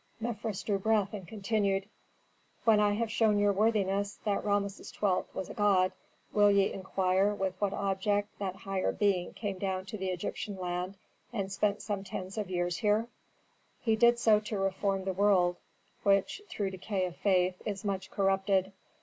Mefres drew breath and continued, "When I have shown your worthinesses that Rameses XII. was a god, will ye inquire with what object that higher being came down to the Egyptian land and spent some tens of years here? "He did so to reform the world, which, through decay of faith, is much corrupted.